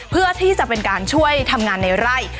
เพื่อที่จะเป็นการช่วยทำงานในไร่